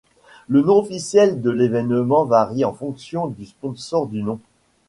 Le nom officiel de l'événement varie en fonction du sponsor du nom.